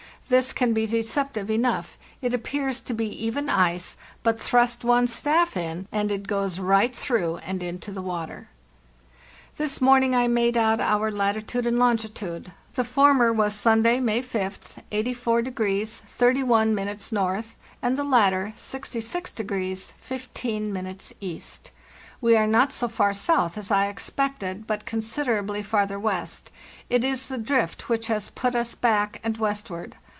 This can be deceptive enough; it appears to be even ice, but thrust one's staff in, andit goes right through and into the water. "This morning I made out our latitude and longitude. The former was (Sunday, May 5th) 84° 31' N., and the latter 66°15' E. We were not so far south as I expected, but considerably farther west. It is the drift which has put us back and westward.